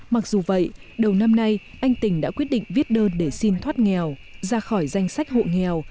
mặc dù vậy đầu năm nay anh tình đã quyết định viết đơn để xin thoát nghèo ra khỏi danh sách hộ nghèo